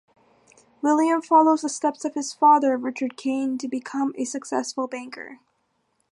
William follows the steps of his father, Richard Kane, to become a successful banker.